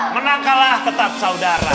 menang kalah tetap saudara